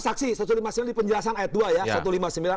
saksi satu ratus lima puluh sembilan di penjelasan ayat dua ya